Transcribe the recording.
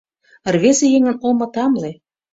Рвезе еҥын омо тамле.